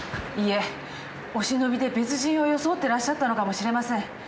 いえお忍びで別人を装ってらっしゃったのかもしれません。